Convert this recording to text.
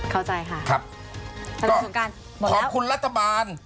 เข้าใจค่ะสำนักสมการบอกแล้วสุดท้ายขอบคุณรัฐบาล